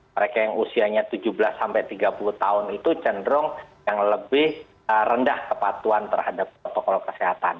mereka yang usianya tujuh belas sampai tiga puluh tahun itu cenderung yang lebih rendah kepatuan terhadap protokol kesehatan